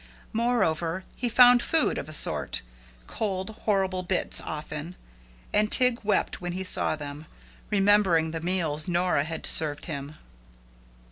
Moreover, he found food of a sort cold, horrible bits often, and Tig wept when he saw them, remembering the meals Nora had served him.